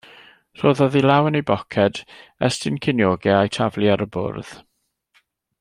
Rhoddodd ei law yn ei boced, estyn ceiniogau a'u taflu ar y bwrdd.